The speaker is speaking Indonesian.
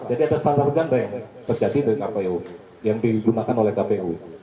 jadi ada standar ganda yang terjadi dengan kpu yang digunakan oleh kpu